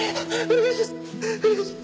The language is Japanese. お願いします！